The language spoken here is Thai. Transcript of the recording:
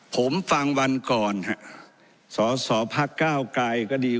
ผมฟังวันก่อนฮะสอสอพักก้าวไกรก็ดี